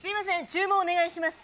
注文お願いします